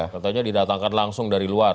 katanya didatangkan langsung dari luar